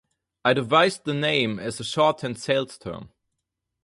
I devised the name as a shorthand sales term.